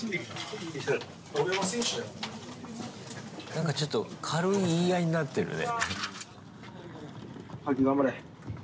なんか、ちょっと軽い言い合いになってるね。